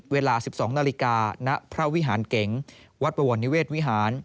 เวลา๑๒นาฬิกาณพระวิหารเก๋งวัดบวรนิเวศวิหาร